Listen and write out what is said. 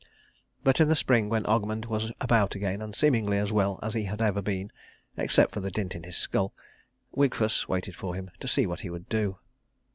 But in the spring, when Ogmund was about again and seemingly as well as ever he had been, except for the dint in his skull, Wigfus waited for him, to see what he would do.